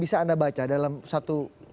bisa anda baca dalam satu